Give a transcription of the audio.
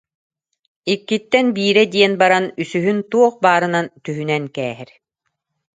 Иккиттэн биирэ диэн баран үсүһүн туох баарынан түһүнэн кээһэр